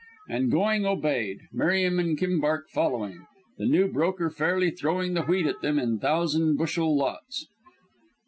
And Going obeyed, Merriam and Kimbark following, the new broker fairly throwing the wheat at them in thousand bushel lots.